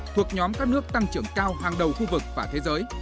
thuộc nhóm các nước tăng trưởng cao hàng đầu khu vực và thế giới